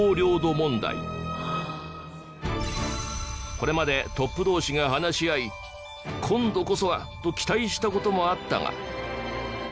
これまでトップ同士が話し合い今度こそはと期待した事もあったが。